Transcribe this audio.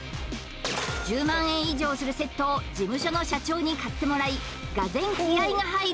１０万円以上するセットを事務所の社長に買ってもらいがぜん気合いが入る